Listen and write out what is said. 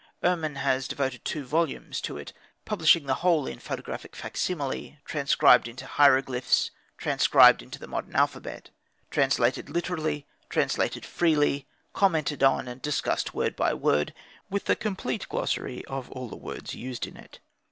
Erman has devoted two volumes to it; publishing the whole in photographic facsimile, transcribed in hieroglyphs, transcribed in the modern alphabet, translated literally, translated freely, commented on and discussed word by word, and with a complete glossary of all words used in it.